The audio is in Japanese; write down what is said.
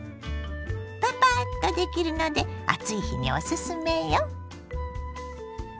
パパッとできるので暑い日におすすめよ。